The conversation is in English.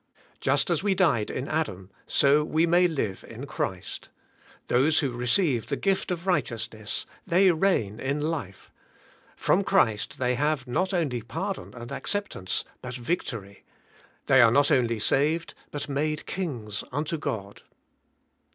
Just as we died in Adam so we may live in 196 THE SPIRITUAI. LIFE. Christ; those who receive the g^ift of rig hteousness, the J reign in life; from Christ they have not only pardon and acceptance but victory; they are not only saved, but made kings unto God.